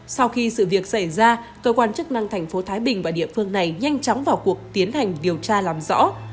sau khi sự việc xảy ra cơ quan chức năng thành phố thái bình và địa phương này nhanh chóng vào cuộc tiến hành điều tra làm rõ